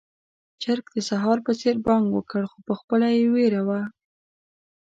چرګ د سهار په څېر بانګ وکړ، خو پخپله يې وېره وه.